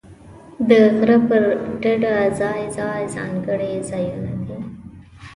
د غره پر ډډه ځای ځای ځانګړي ځایونه دي.